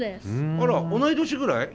あら同じ年ぐらい？